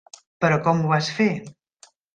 Però com ho vas a fer?